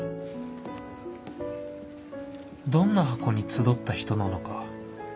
どんな箱に集った人なのか